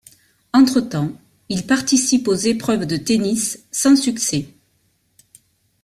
Entretemps, il participe aux épreuves de tennis sans succès.